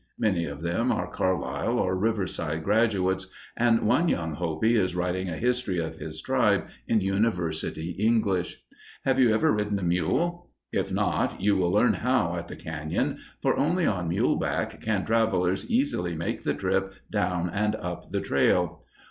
Many of them are Carlisle or Riverside graduates, and one young Hopi is writing a history of his tribe in university English. Have you ever ridden a mule? If not, you will learn how at the cañon, for only on muleback can travelers easily make the trip down and up the trail.